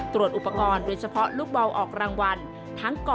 ตรวจอุปกรณ์โดยเฉพาะลูกบอลออกรางวัลทั้งก่อนและหลังการออกรางวัลค่ะ